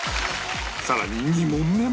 さらに２問目も